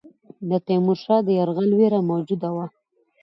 د تیمورشاه د یرغل وېره موجوده وه.